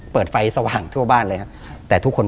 เปิดไฟสว่างทั่วบ้านเลยครับ